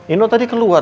ino tadi keluar